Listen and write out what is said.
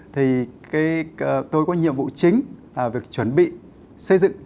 thì tôi có nhiệm vụ chính là việc chuẩn bị xây dựng